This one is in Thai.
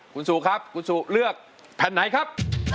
คุณซูครับคุณซูเลือกแผ่นไหนครับ